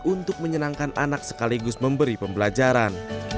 untuk menyenangkan anak sekaligus memberi pembelajaran